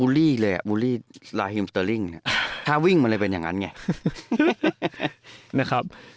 วูลลี่เลยวูลลี่สลาฮิมสเตอริ่งถ้าวิ่งมันเลยเป็นอย่างนั้นไง